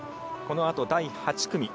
このあと第８組。